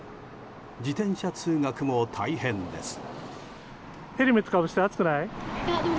自転車通学も大変です。